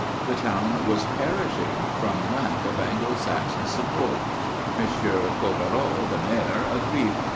The town was perishing from lack of Anglo Saxon support. Monsieur Coquereau, the Mayor, agreed.